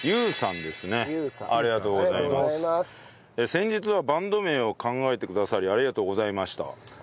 「先日はバンド名を考えてくださりありがとうございました」